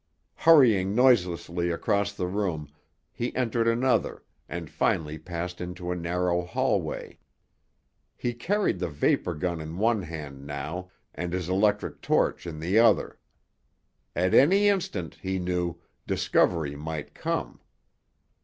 Hurrying noiselessly across the room, he entered another, and finally passed into a narrow hallway. He carried the vapor gun in one hand now and his electric torch in the other. At any instant, he knew, discovery might come.